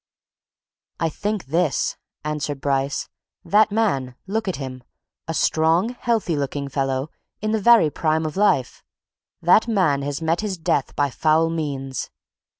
"I think this," answered Bryce. "That man! look at him! a strong, healthy looking fellow, in the very prime of life that man has met his death by foul means.